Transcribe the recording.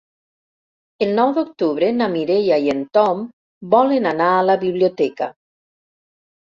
El nou d'octubre na Mireia i en Tom volen anar a la biblioteca.